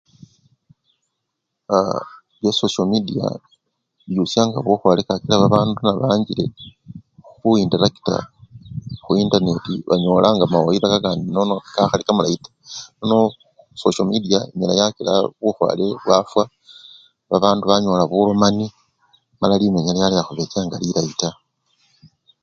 Aaaa byasosyo media biyusyanga bukhwale kakila babandu nebanjile khu-interacta khu intanati banyolanga mawayida kakandi nono kakhali kamalayi taa nono sosyo media enyala yakila bukhwale bwafwa, babandu banyola bulomani mala limenya lyala khubechanga lilayi taa.